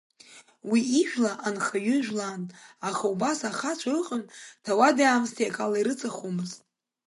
Уи ажәла нхаҩы жәлан, аха убас ахацәа ыҟан, ҭауади-аамысҭеи акала ирыҵахомызт.